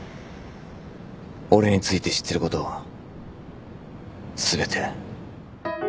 俺について知ってることを全て。